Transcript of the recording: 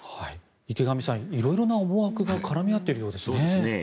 池上さん、色々な思惑が絡み合っているようですね。